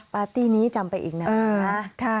ปาร์ตี้นี้จำไปอีกนะ